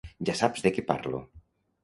Ja saps de què parlo.